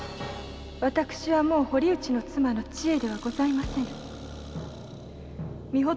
私はもう堀内の妻の千恵ではありませぬ